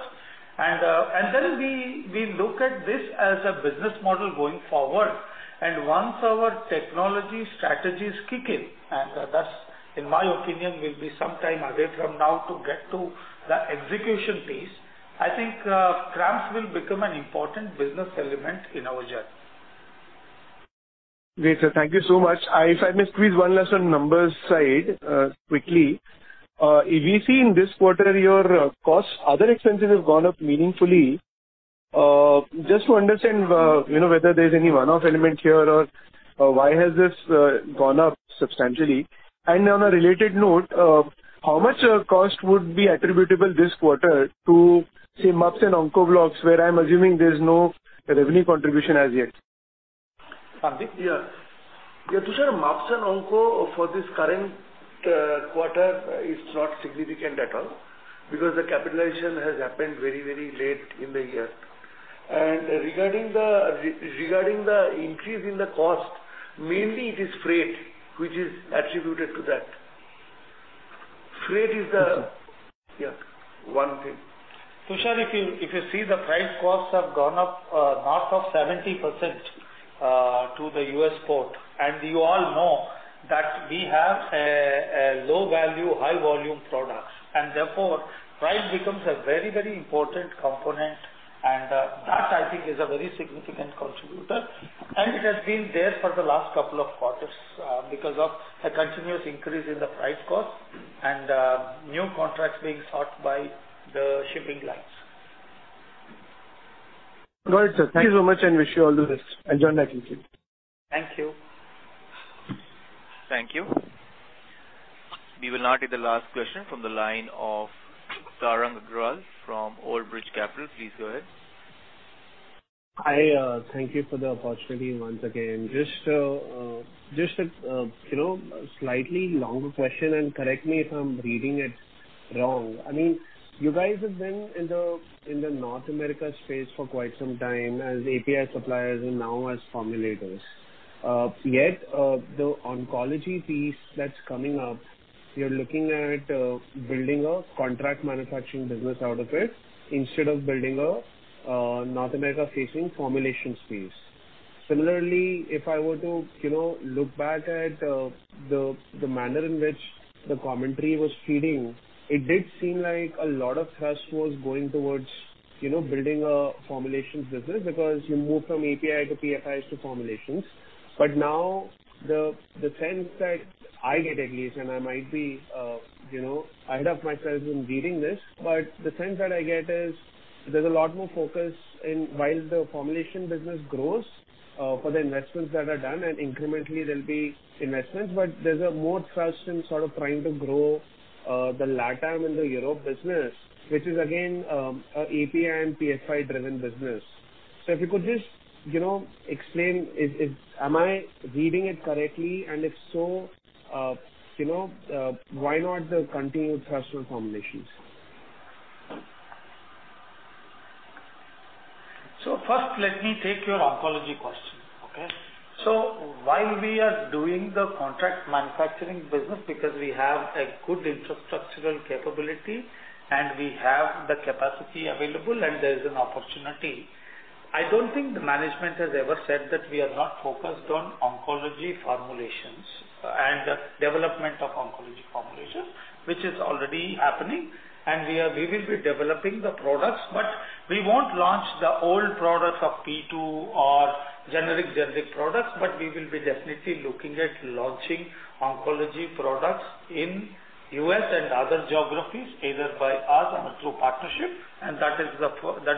Then we look at this as a business model going forward. Once our technology strategies kick in, and that's, in my opinion, will be some time away from now to get to the execution phase. I think CRAMS will become an important business element in our journey. Great, sir. Thank you so much. If I may squeeze one last on numbers side, quickly. We see in this quarter your costs, other expenses have gone up meaningfully. Just to understand, you know, whether there's any one-off element here or, why has this gone up substantially. On a related note, how much of cost would be attributable this quarter to, say, MUPS and onco blocks, where I'm assuming there's no revenue contribution as yet? Sandip? Yeah. Tushar, MUPS and onco for this current quarter is not significant at all because the capitalization has happened very, very late in the year. Regarding the increase in the cost, mainly it is freight which is attributed to that. Freight is the- Okay. Yeah. One thing. Tushar, if you see the freight costs have gone up north of 70% to the U.S. port, and you all know that we have a low value, high volume product, and therefore price becomes a very, very important component. That I think is a very significant contributor, and it has been there for the last couple of quarters because of the continuous increase in the freight cost and new contracts being sought by the shipping lines. Got it, sir. Thank you so much, and wish you all the best. Enjoying that meeting. Thank you. Thank you. We will now take the last question from the line of Tarang Agrawal from Old Bridge Capital. Please go ahead. Thank you for the opportunity once again. Just a you know, slightly longer question, and correct me if I'm reading it wrong. I mean, you guys have been in the North America space for quite some time as API suppliers and now as formulators. Yet, the oncology piece that's coming up, you're looking at building a contract manufacturing business out of it instead of building a North America-facing formulation space. Similarly, if I were to you know, look back at the manner in which the commentary was feeding, it did seem like a lot of thrust was going towards you know, building a formulation business because you moved from API to PFIs to formulations. Now the sense that I get at least, and I might be, you know, ahead of myself in reading this, but the sense that I get is there's a lot more focus, while the formulation business grows, for the investments that are done, and incrementally there'll be investments, but there's more thrust in sort of trying to grow, the LATAM and the Europe business, which is again, an API and PFI-driven business. So if you could just, you know, explain. Am I reading it correctly? And if so, you know, why not the continued thrust on formulations? First let me take your oncology question. Okay? Why we are doing the contract manufacturing business because we have a good infrastructural capability, and we have the capacity available, and there is an opportunity. I don't think the management has ever said that we are not focused on oncology formulations and development of oncology formulations, which is already happening. We will be developing the products, but we won't launch the old products of P2 or generic products. We will be definitely looking at launching oncology products in U.S. and other geographies, either by us or through partnership. That's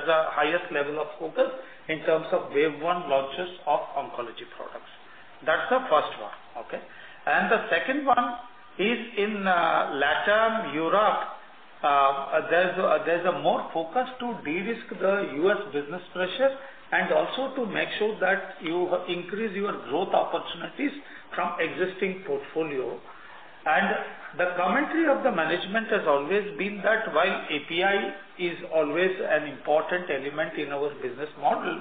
our highest level of focus in terms of wave one launches of oncology products. That's the first one. Okay? The second one is in LatAm, Europe, there's a more focus to de-risk the U.S. business pressure and also to make sure that you increase your growth opportunities from existing portfolio. The commentary of the management has always been that while API is always an important element in our business model,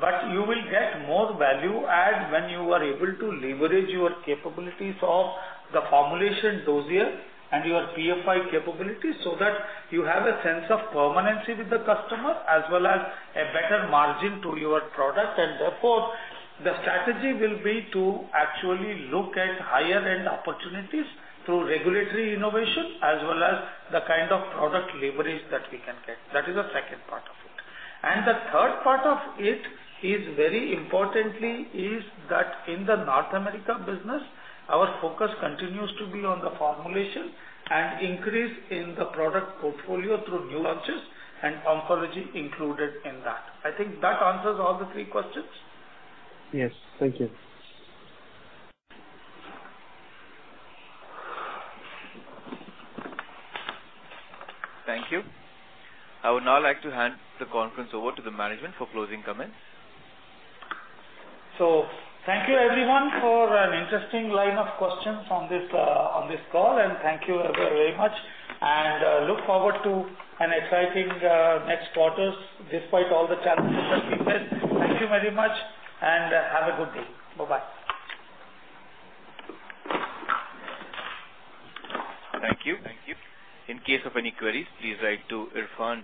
but you will get more value add when you are able to leverage your capabilities of the formulation dossier and your PFI capabilities, so that you have a sense of permanency with the customer as well as a better margin to your product. Therefore, the strategy will be to actually look at higher-end opportunities through regulatory innovation as well as the kind of product leverage that we can get. That is the second part of it. The third part of it is, very importantly, that in the North America business, our focus continues to be on the formulation and increase in the product portfolio through new launches and oncology included in that. I think that answers all the three questions. Yes. Thank you. Thank you. I would now like to hand the conference over to the management for closing comments. Thank you everyone for an interesting line of questions on this call. Thank you everyone very much, and I look forward to an exciting next quarters despite all the challenges that we face. Thank you very much and have a good day. Bye-bye. Thank you. In case of any queries, please write to Irfan.